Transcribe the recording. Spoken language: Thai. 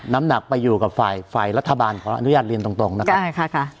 น้ำหนักไปอยู่กับฝ่ายรัฐบาลของอนุญาตเรียนตรงนะครับ